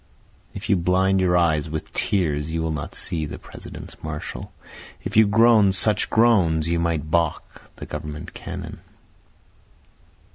If you blind your eyes with tears you will not see the President's marshal, If you groan such groans you might balk the government cannon.